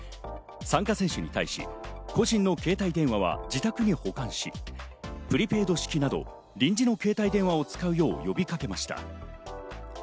参加選手に対し、個人の携帯電話は自宅に保管し、プリペイド式など、臨時の携帯電話を使うよう呼びかけました。